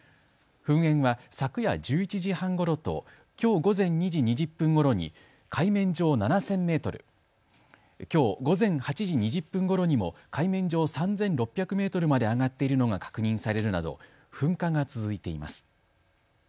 噴煙は昨夜１１時半ごろときょう午前２時２０分ごろに海面上７０００メートル、きょう午前８時２０分ごろにも海面上３６００メートルまで上がっているのが確認されるなど噴火が続いています。